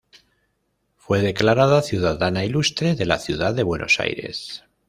Fue declarada Ciudadana ilustre de la Ciudad de Buenos Aires.